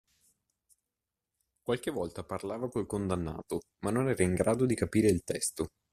Qualche volta parlava col condannato, ma non era in grado di capire il testo.